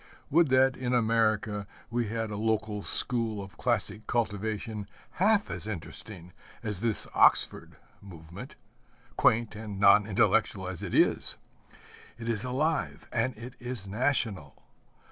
Would that in America we had a local school of classic cultivation half as interesting as this Oxford Movement quaint and non intellectual as it is! It is alive and it is national.